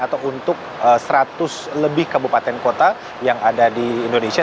atau untuk seratus lebih kabupaten kota yang ada di indonesia